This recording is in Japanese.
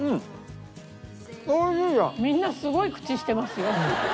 みんなすごい口してますよ。